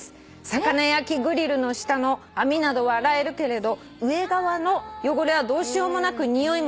「魚焼きグリルの下の網などは洗えるけれど上側の汚れはどうしようもなくにおいも取りづらいです」